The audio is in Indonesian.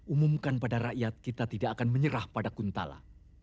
umumkan pada rakyat kita tidak akan menyerah pada kuntala